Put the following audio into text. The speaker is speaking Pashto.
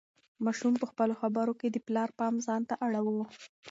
ماشوم په خپلو خبرو کې د پلار پام ځان ته اړاوه.